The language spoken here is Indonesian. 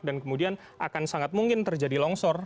dan kemudian akan sangat mungkin terjadi longsor